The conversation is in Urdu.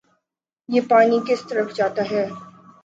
یہ پانی کس طرف جاتا ہے